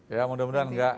ya mudah mudahan enggak